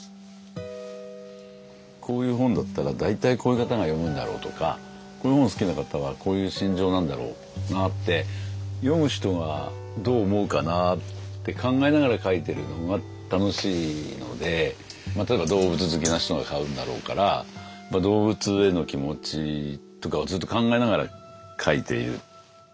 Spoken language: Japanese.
こういう本だったら大体こういう方が読むんだろうとかこういう本好きな方はこういう心情なんだろうなって例えば動物好きな人が買うんだろうから動物への気持ちとかをずっと考えながら書いている。